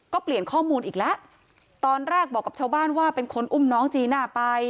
ก็เปลี่ยนข้อมูลอีกแล้วตอนแรกบอกกับชาวบ้านว่าเป็นคนอุ้มน้องจีน่าไป